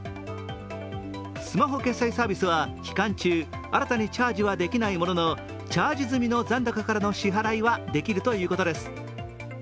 スマホ決済サービスは期間中、新たにチャージはできないもののチャージ済みの残高からの支払いはできるということです。